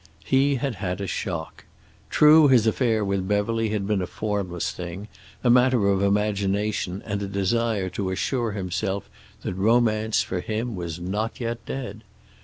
He had had a shock. True, his affair with Beverly had been a formless thing, a matter of imagination and a desire to assure himself that romance, for him, was not yet dead.